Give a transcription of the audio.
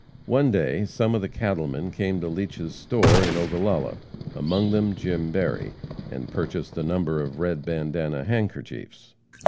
One day some of the "cattlemen" came to Leach's store in Ogallala, among them Jim Berry, and purchased a number of red bandana handkerchiefs.